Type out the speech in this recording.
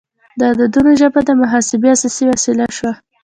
د عددونو ژبه د محاسبې اساسي وسیله شوه.